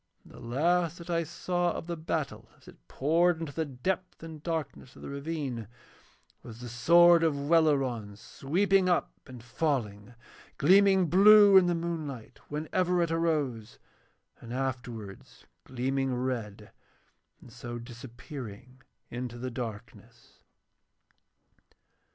And the last that I saw of the battle as it poured into the depth and darkness of the ravine was the sword of Welleran sweeping up and falling, gleaming blue in the moonlight whenever it arose and afterwards gleaming red, and so disappearing into the darkness.